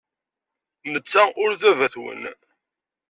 Netta ur d baba-twen.